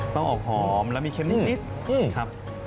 ต้องออกหอมแล้วมีเค็มนิดครับ